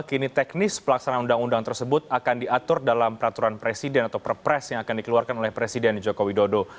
kini teknis pelaksanaan undang undang tersebut akan diatur dalam peraturan presiden atau perpres yang akan dikeluarkan oleh presiden joko widodo